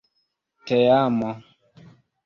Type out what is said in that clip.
teamo